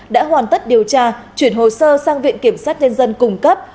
đã hoàn tất điều tra chuyển hồ sơ sang viện kiểm sát nhân dân cung cấp